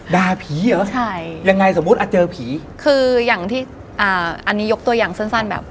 ด่าผีเหรอยังไงสมมุติเจอผีคืออย่างที่อันนี้ยกตัวอย่างสั้นแบบ